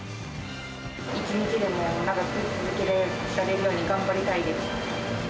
一日でも長く続けられるように頑張りたいです。